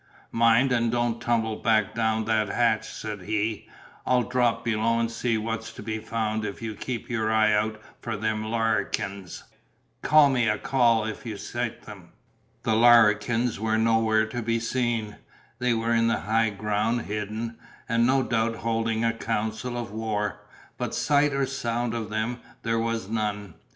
"Mind and don't tumble back down that hatch," said he, "I'll drop below and see what's to be found if you keep your eye out for them Larrikens. Give me a call if you sight them." The Larrikens were nowhere to be seen; they were in the high ground hidden, and no doubt holding a council of war, but sight or sound of them there was none.